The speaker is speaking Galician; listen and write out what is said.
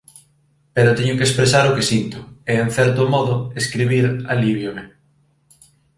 Pero teño que expresar o que sinto, e en certo modo, escribir alíviame.